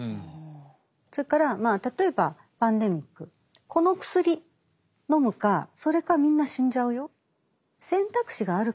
それからまあ例えばパンデミックこの薬のむかそれかみんな死んじゃうよ。